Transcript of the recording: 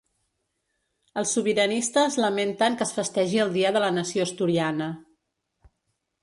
Els sobiranistes lamenten que es festegi el Dia de la Nació Asturiana